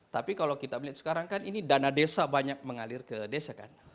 tapi kalau kita melihat sekarang kan ini dana desa banyak mengalir ke desa kan